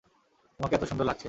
তোমাকে এত সুন্দর লাগছে।